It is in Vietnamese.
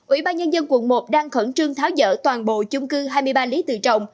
ủy ban nhân dân quận một đang khẩn trương tháo dỡ toàn bộ chung cư hai mươi ba lý tự trọng